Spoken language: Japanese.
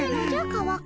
川上。